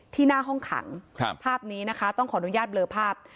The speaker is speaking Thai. หน้าห้องขังภาพนี้นะคะต้องขออนุญาตเบลอภาพ